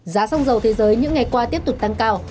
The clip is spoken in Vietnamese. giá xăng dầu thế giới những ngày qua tiếp tục tăng cao